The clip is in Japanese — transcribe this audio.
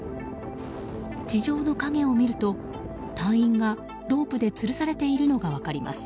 地上の影を見ると、隊員がロープでつるされているのが分かります。